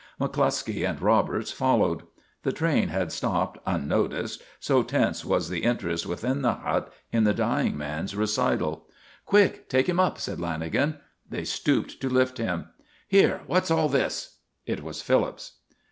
McCluskey and Roberts followed. The train had stopped unnoticed, so tense was the interest within the hut in the dying man's recital. "Quick, take him up," said Lanagan. They stooped to lift him. "Here, what's all this?" It was Phillips.